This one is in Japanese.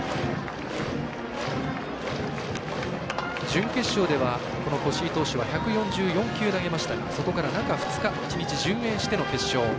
準決勝では越井投手は１４４球投げましたがそこから中２日１日順延しての決勝。